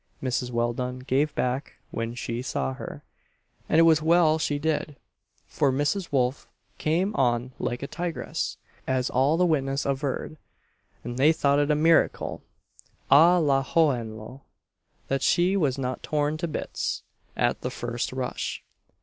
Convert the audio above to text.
Mrs. Welldone gave back when she saw her, and it was well she did; for Mrs. Wolf came on like a tigress, as all the witnesses averred, and they thought it a miracle (à la Hohenlohe) that she was not torn to bits at the first rush.